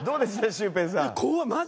シュウペイさん。